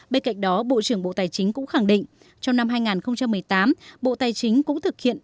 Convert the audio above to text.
bên cạnh đó bộ trưởng bộ tài chính cũng khẳng định trong năm hai nghìn một mươi tám bộ tài chính cũng thực hiện